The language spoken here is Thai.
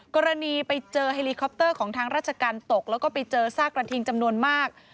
กรณีไปเจอเฮลิคอปเตอร์ของทางราชการตกแล้วก็ไปเจอซากกระทิงจำนวนมาก